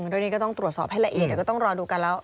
เรื่องนี้ก็ต้องตรวจสอบให้ละเอียดแต่ก็ต้องรอดูกันแล้ว